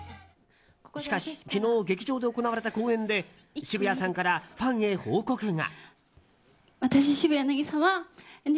しかし昨日劇場で行われた公演で渋谷さんからファンへ報告が。